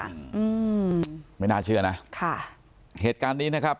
อืมไม่น่าเชื่อนะค่ะเหตุการณ์นี้นะครับ